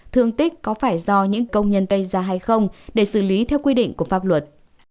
thương tích có phải do những công nhân gây ra hay không để xử lý theo quy định của pháp luật